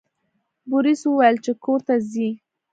بوریس وویل چې کور ته ځئ.